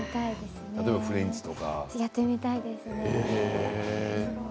やってみたいですね。